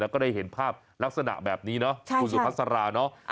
แล้วก็ได้เห็นภาพลักษณะแบบนี้เนาะคุณสุพัสราเนาะ